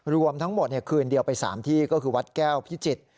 รวมทั้งหมดคืนเดียวไป๓ที่ก็คือวัดแก้วพิจิตร